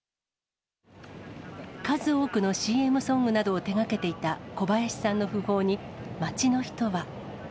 数多くのＣＭソングなどを手がけていた小林さんの訃報に、街の人は。